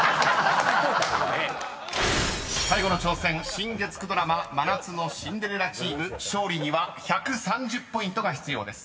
［最後の挑戦新月９ドラマ真夏のシンデレラチーム勝利には１３０ポイントが必要です］